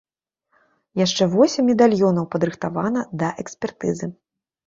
Яшчэ восем медальёнаў падрыхтавана да экспертызы.